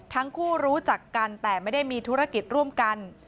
รู้จักกันแต่ไม่ได้มีธุรกิจร่วมกัน